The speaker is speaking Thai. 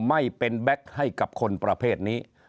ไม่เป็นแก๊กให้กับคนประเภทนี้